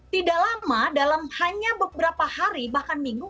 tidak lama dalam hanya beberapa hari bahkan minggu